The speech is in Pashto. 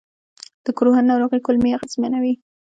د کروهن ناروغي کولمې اغېزمنوي.